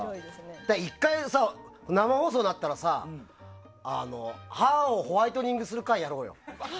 １回、生放送になったら歯をホワイトニングする回やろうよ。